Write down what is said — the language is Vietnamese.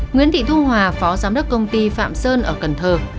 nguyễn thị thu hòa phó giám đốc công ty phạm sơn ở cần thơ